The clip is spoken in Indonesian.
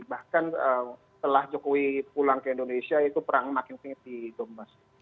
bahkan setelah jokowi pulang ke indonesia itu perang makin tinggi domes